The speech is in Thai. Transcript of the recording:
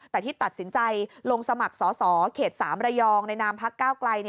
แต่ที่ตัดสินใจลงสมัครสอสอเขต๓ระยองในนามพักก้าวไกล